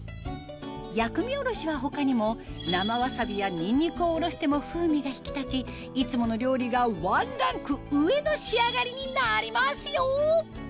薬味おろしは他にも生わさびやニンニクをおろしても風味が引き立ちいつもの料理がワンランク上の仕上がりになりますよ